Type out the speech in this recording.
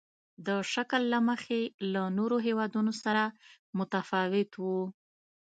د شکل له مخې له نورو هېوادونو سره متفاوت وو.